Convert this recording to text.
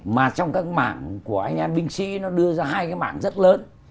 mà trong các mạng của anh em binh sĩ nó đưa ra hai cái mạng rất lớn